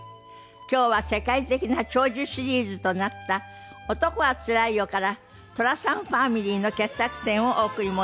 今日は世界的な長寿シリーズとなった『男はつらいよ』から寅さんファミリーの傑作選をお送り申し上げます。